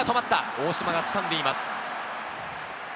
大島がつかんでいます。